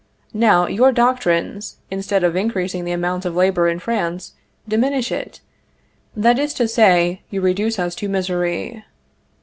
Now, your doctrines, instead of increasing the amount of labor in France, diminish it; that is to say, you reduce us to misery."